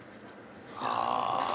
ああ。